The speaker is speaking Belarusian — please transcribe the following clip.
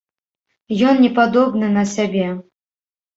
Ён непадобны на сябе.